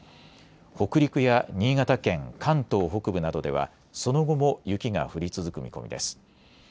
北陸や新潟県、関東北部などではその後も雪が降り続く見込みです。